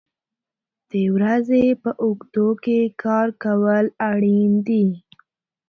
د ورځې په اوږدو کې کار کول اړین دي.